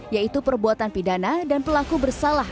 yaitu perbuatan pidana dan pelaku bersalah